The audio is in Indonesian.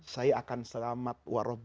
saya akan selamat